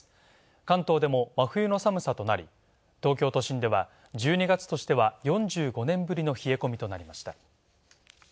関東でも真冬の寒さとなり、東京都心では１２月としては４５年ぶりの冷え込みとなりました。